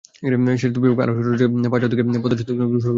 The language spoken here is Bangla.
সেতু বিভাগ সূত্র আরও জানায়, পাচ্চর থেকে পদ্মা সেতুর সংযোগ সড়ক শুরু।